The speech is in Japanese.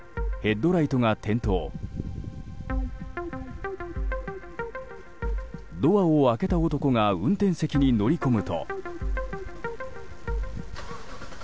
ドアを開けた男が運転席に乗り込むと。